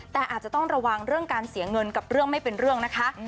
แต่อาจจะต้องระวังเรื่องการเสียเงินกับเรื่องไม่เป็นเรื่องนะคะ